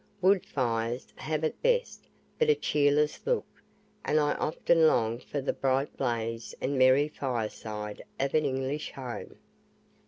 Wood fires have at best but a cheerless look, and I often longed for the bright blaze and merry fireside of an English home.